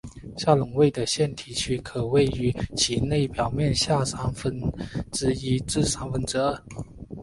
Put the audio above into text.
下位笼的腺体区可位于其内表面的下三分之一至三分之二。